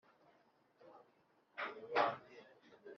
kigeri i mukobanya na mibambwe i sekarongoro mutabazi